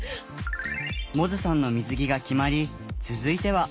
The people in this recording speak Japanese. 百舌さんの水着が決まり続いては。